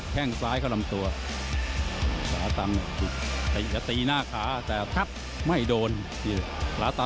ต้องออกเล่นเลยหมดยกที่สอง